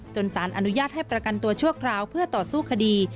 สารอนุญาตให้ประกันตัวชั่วคราวเพื่อต่อสู้คดี